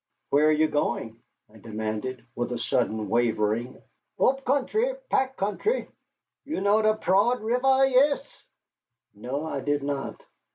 "Where are you going?" I demanded, with a sudden wavering. "Up country pack country. You know der Proad River yes?" No, I did not.